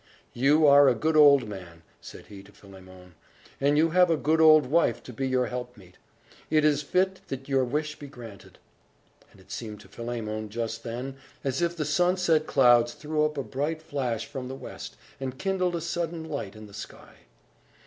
"You are a good old man," said he to Philemon, "and you have a good old wife to be your helpmeet. It is fit that your wish be granted." And it seemed to Philemon, just then, as if the sunset clouds threw up a bright flash from the west, and kindled a sudden light in the sky.